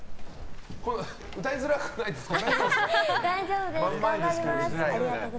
歌いづらくないですか？